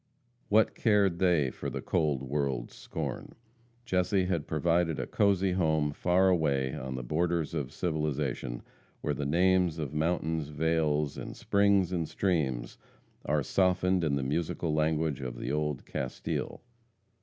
What cared they for the cold world's scorn? Jesse had provided a cosy home far away on the borders of civilization, where the names of mountains, vales, and springs, and streams, are softened in the musical language of old Castile.